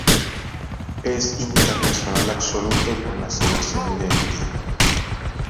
Es internacional absoluto con la selección de Haití.